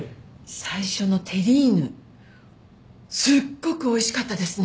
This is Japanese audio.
最初のテリーヌすっごくおいしかったですね。